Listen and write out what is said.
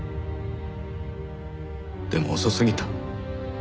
でも遅すぎた。